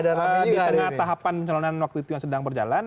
di tengah tahapan pencalonan waktu itu yang sedang berjalan